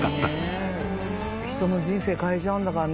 人の人生変えちゃうんだからね